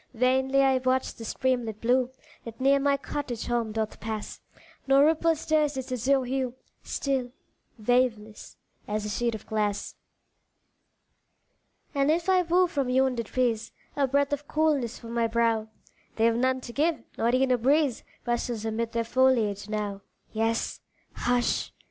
Vainly I watch the streamlet blue That near my cottage home doth pass, No ripple stirs its azure hue, Still waveless, as a sheet of glass And if I woo from yonder trees A breath of coolness for my brow, They've none to give not e'en a breeze Rustles amid their foliage now; Yes, hush!